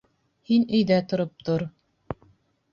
Һин өйҙә тороп тор.